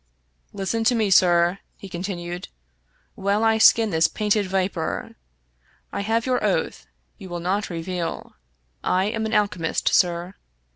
" Listen to me, sir," he continued, " while I skin this painted viper. I have your oath ; you will not reveal. I am an alchemist, sir.